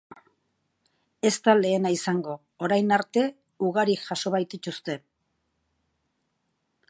Ez da lehena izango, orain arte ugari jaso baitituzte.